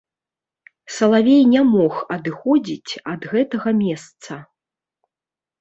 Салавей не мог адыходзіць ад гэтага месца.